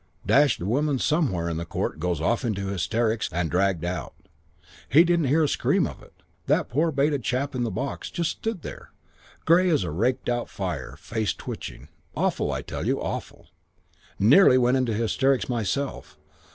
Dashed woman somewhere in the court goes off into hysterics and dragged out. He didn't hear a scream of it, that poor baited chap in the box. Just stood there. Grey as a raked out fire. Face twitching. Awful. I tell you, awful. Nearly went into hysterics myself.